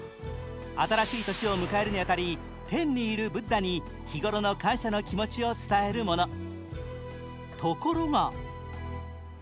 新しい年を迎えるに当たり、天にいる仏陀に日頃の感謝の気持ちを伝えるもの。